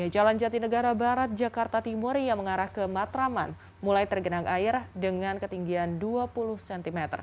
jalan jatinegara barat jakarta timur yang mengarah ke matraman mulai tergenang air dengan ketinggian dua puluh cm